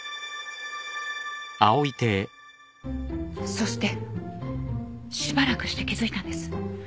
そしてしばらくして気付いたんです。